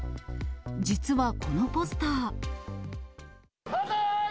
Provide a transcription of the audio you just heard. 実はこのポスター。